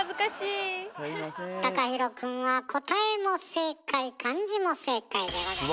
ＴＡＫＡＨＩＲＯくんは答えも正解漢字も正解でございます。